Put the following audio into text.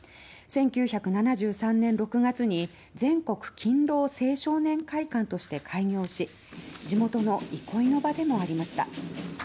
１９７３年６月に全国勤労青少年会館として開業し地元の憩いの場でもありました。